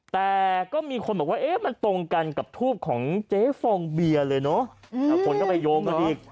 แต่ก็มีคนบอกว่ามันตรงกันกับทูปของเจ๊ฟองเบียร์เลยเนอะคนก็ไปโยงกันอีก